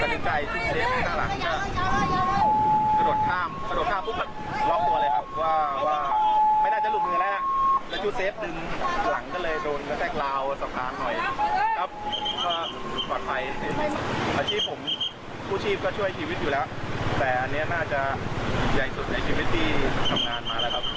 ใหญ่สุดในชีวิตที่ทำงานมาแล้วครับ